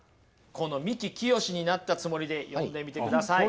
この三木清になったつもりで読んでみてください。